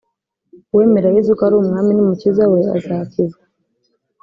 uwemera yesu ko ari umwami n umukiza we azakizwa